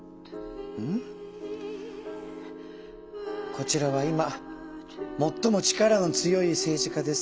こちらは今もっとも力の強い政治家ですって。